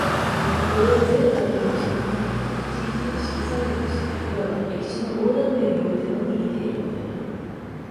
これを全過程として見ないで、一々の意識作用として、いわば歴史の横断面においてのみ見ているのである。